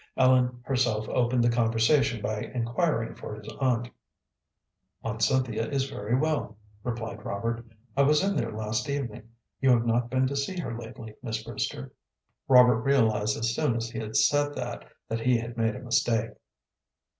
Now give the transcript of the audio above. Ellen herself opened the conversation by inquiring for his aunt. "Aunt Cynthia is very well," replied Robert. "I was in there last evening. You have not been to see her lately, Miss Brewster." Robert realized as soon as he had said that that he had made a mistake.